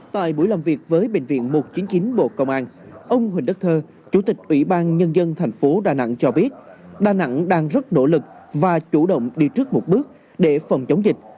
tại buổi làm việc với bệnh viện một trăm chín mươi chín bộ công an ông huỳnh đức thơ chủ tịch ubnd tp đà nẵng cho biết đà nẵng đang rất nỗ lực và chủ động đi trước một bước để phòng chống dịch